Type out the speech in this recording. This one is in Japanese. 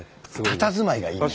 たたずまいがいいね。